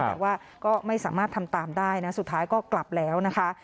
แต่ว่าก็ไม่สามารถทำตามได้นะสุดท้ายก็กลับแล้วนะคะ